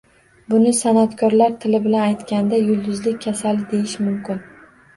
Buni san`atkorlar tili bilan aytganda yulduzlik kasali deyish mumkin